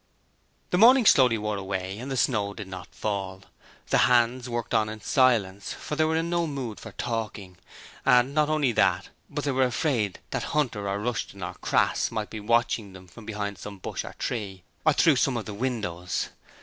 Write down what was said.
The morning slowly wore away and the snow did not fall. The hands worked on in silence, for they were in no mood for talking, and not only that, but they were afraid that Hunter or Rushton or Crass might be watching them from behind some bush or tree, or through some of the windows.